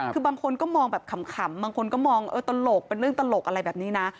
คือบางคนก็มองแบบขำบางคนก็มองตลกเป็นเรื่องตลกอะไรแบบนี้นะ